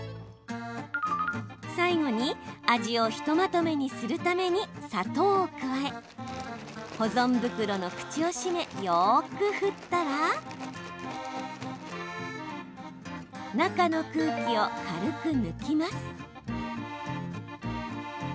最後に味をひとまとめにするために砂糖を加え保存袋の口を閉めよく振ったら中の空気を軽く抜きます。